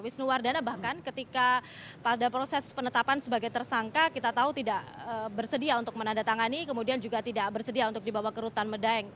wisnuwardana bahkan ketika pada proses penetapan sebagai tersangka kita tahu tidak bersedia untuk menandatangani kemudian juga tidak bersedia untuk dibawa ke rutan medaeng